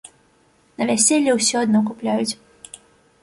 На вяселлі ўсё адно купляюць.